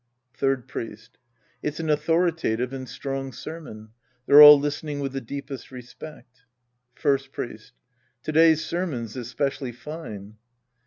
Third Priest. It's an authoritative and strong sermon. They're all listening with the deepest respect. First Priest. To day's sermon's especially fine.